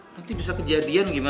nanti bisa kejadian gimana